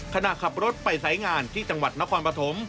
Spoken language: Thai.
ขณะขับรถไปสายงานที่จังหวัดนครปฐม